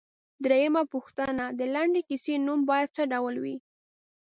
درېمه پوښتنه ـ د لنډې کیسې نوم باید څه ډول وي؟